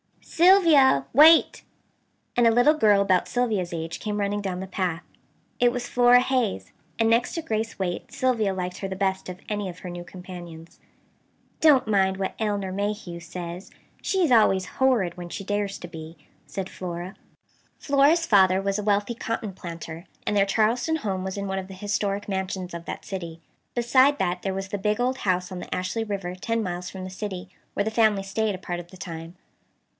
"Sylvia! Wait!" and a little girl about Sylvia's age came running down the path. It was Flora Hayes; and, next to Grace Waite, Sylvia liked her the best of any of her new companions. "Don't mind what Elinor Mayhew says. She's always horrid when she dares to be," said Flora. Flora's father was a wealthy cotton planter, and their Charleston home was in one of the historic mansions of that city. Beside that there was the big old house on the Ashley River ten miles from the city, where the family stayed a part of the time.